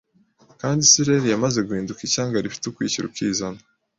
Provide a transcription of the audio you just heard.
kandi Isiraeli yamaze guhinduka ishyanga rifite ukwishyira ukizana